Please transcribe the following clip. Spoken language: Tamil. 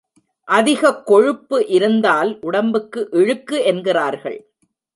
அதிகக் கொழுப்பு இருந்தால் உடம்புக்கு இழுக்கு என்கிறார்கள்.